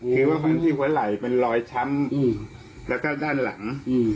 คือว่าฟันที่หัวไหล่เป็นรอยช้ำแล้วก็ด้านหลัง